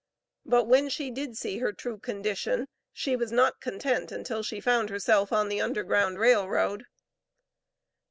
But when she did see her true condition, she was not content until she found herself on the Underground Rail Road.